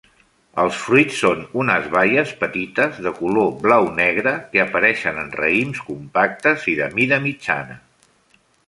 Els fruits són unes baies petites de color blau-negre, que apareixen en raïms compactes i de mida mitjana.